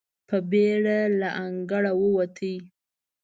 په بېړه له انګړه ووت.